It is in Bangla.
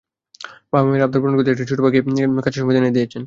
বাবা মেয়ের আবদার পূরণ করতে একটা ছোট টিয়া পাখি খাঁচাসমেত এনে দিয়েছেন।